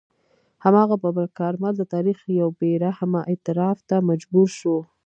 هماغه ببرک کارمل د تاریخ یو بې رحمه اعتراف ته مجبور شو.